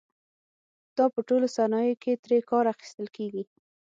دا په ټولو صنایعو کې ترې کار اخیستل کېږي.